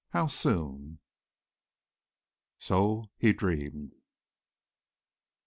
How soon? So he dreamed.